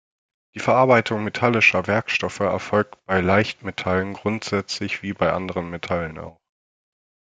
Die Verarbeitung metallischer Werkstoffe erfolgt bei Leichtmetallen grundsätzlich wie bei anderen Metallen auch.